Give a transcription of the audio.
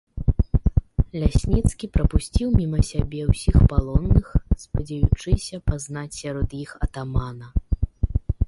Лясніцкі прапусціў міма сябе ўсіх палонных, спадзеючыся пазнаць сярод іх атамана.